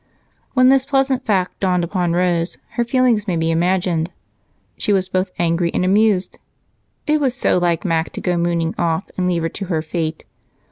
When this pleasing fact dawned upon Rose her feelings may be imagined. She was both angry and amused it was so like Mac to go mooning off and leave her to her fate.